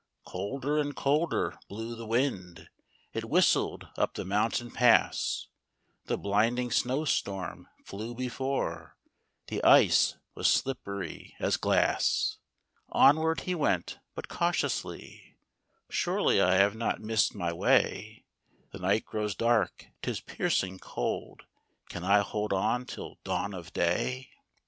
Colder and colder blew the wind, It whistled up the mountain pass, The blinding snow storm flew before : The ice was slippery as glass. Onward he went, but cautiously ;" Surely I have not miss'd my way? The night grows dark, 'tis piercing cold : Can I hold on till dawn of day